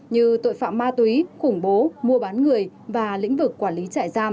như tội phạm ma túy khủng bố mua bán người và lĩnh vực quản lý trại giam